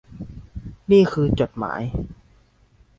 นี่คือจดหมาย